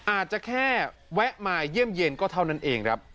อาจจะแค่แวะมาเยี่ยมเย็นก็เท่านั้นเองครับ